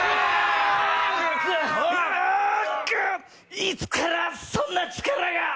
いつからそんな力が。